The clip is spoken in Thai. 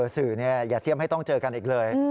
สื่อเนี่ยอย่าเสี่ยมให้ต้องเจอกันอีกเลย